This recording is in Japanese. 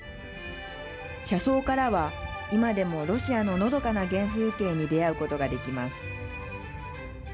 車窓からは今でもロシアの、のどかな原風景に出会うことができます。